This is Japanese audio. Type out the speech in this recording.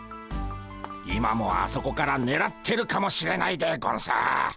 今もあそこからねらってるかもしれないでゴンス。